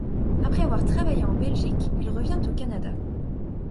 Après avoir travaillé en Belgique, il revient au Canada.